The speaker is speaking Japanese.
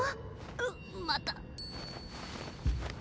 うっまた。